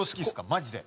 マジで。